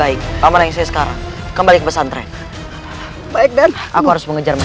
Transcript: itu mau kosong soldier nantinya yang bagus sekarang